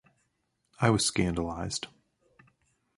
I was scandalized.